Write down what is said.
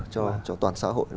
cho toàn xã hội